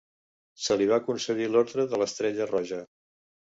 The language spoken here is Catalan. Se li va concedir l'Orde de l'Estrella Roja.